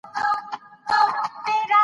چي لا وهلی د چا آزار دی